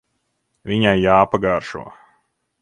Viņai jāpagaršo.